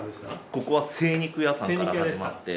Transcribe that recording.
ここは精肉屋さんから始まって。